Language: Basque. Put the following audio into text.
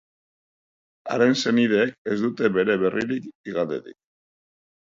Haren senideek ez dute bere berririk igandetik.